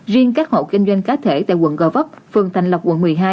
riêng các hộ kinh doanh cá thể tại quận gò vấp phường thành lộc quận một mươi hai